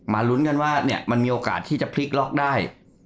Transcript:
ลุ้นกันว่ามันมีโอกาสที่จะพลิกล็อกได้